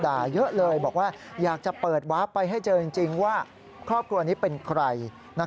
เยอะเลยบอกว่าอยากจะเปิดวาร์ฟไปให้เจอจริงว่าครอบครัวนี้เป็นใคร